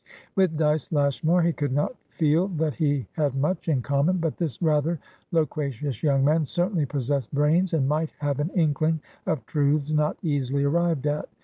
With Dyce Lashmar he could not feel that he had much in common, but this rather loquacious young man certainly possessed brains, and might have an inkling of truths not easily arrived at.